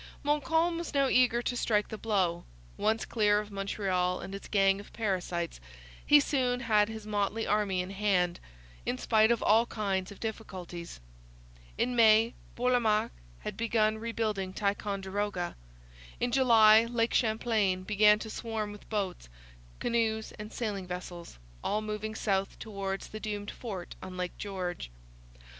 Montcalm was now eager to strike the blow. Once clear of Montreal and its gang of parasites, he soon had his motley army in hand, in spite of all kinds of difficulties. In May Bourlamaque had begun rebuilding Ticonderoga. In July Lake Champlain began to swarm with boats, canoes, and sailing vessels, all moving south towards the doomed fort on Lake George.